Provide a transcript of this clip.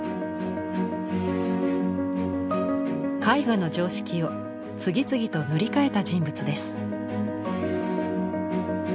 絵画の常識を次々と塗り替えた人物です。